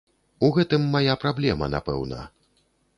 У гэтым мая праблема, напэўна.